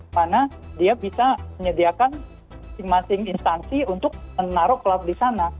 karena dia bisa menyediakan masing masing instansi untuk menaruh cloud di sana